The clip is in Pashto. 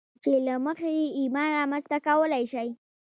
چې له مخې يې ايمان رامنځته کولای شئ.